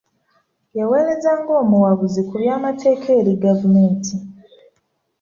Yaweereza ng'omuwabuzi ku by'amateeka eri gavumenti.